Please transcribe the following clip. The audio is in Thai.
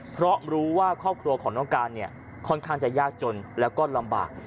เพราะรู้ว่าครอบครัวของน้องการเนี่ยค่อนข้างจะยากจนแล้วก็ลำบาก